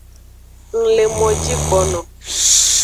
Ng le moji gbono.